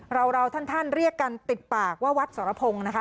เราท่านเรียกกันติดปากว่าวัดสรพงศ์นะคะ